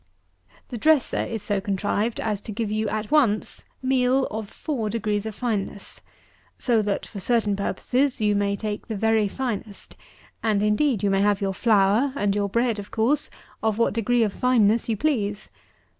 The dresser is so contrived as to give you at once, meal, of four degrees of fineness; so that, for certain purposes, you may take the very finest; and, indeed, you may have your flour, and your bread of course, of what degree of fineness you please.